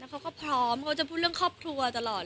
เขาก็พร้อมเขาจะพูดเรื่องครอบครัวตลอด